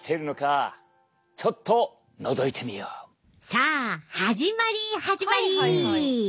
さあ始まり始まり。